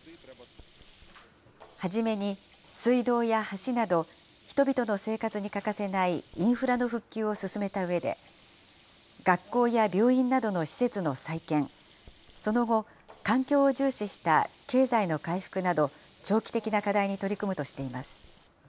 初めに水道や橋など、人々の生活に欠かせないインフラの復旧を進めたうえで、学校や病院などの施設の再建、その後、環境を重視した経済の回復など、長期的な課題に取り組むとしています。